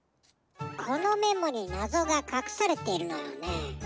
このメモになぞがかくされているのよねー。